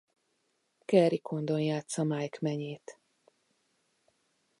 Kerry Condon játssza Mike menyét.